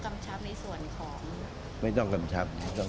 อาจจะต้องกำชับในส่วนของ